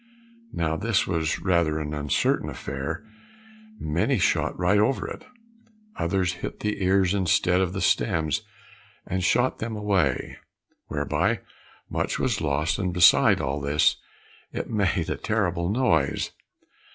Now this was rather an uncertain affair; many shot right over it, others hit the ears instead of the stems, and shot them away, whereby much was lost, and besides all this, it made a terrible noise.